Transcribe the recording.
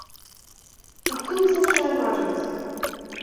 А хто вызначае важнасць?